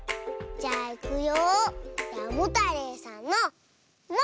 じゃいくよ。